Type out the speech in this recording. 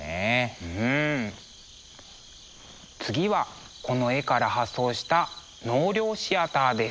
次はこの絵から発想した「納涼シアター」です。